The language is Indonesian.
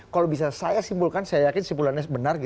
kalau bisa saya simpulkan saya yakin simpulannya benar